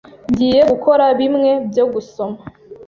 Ngiye gukora bimwe byo gusoma.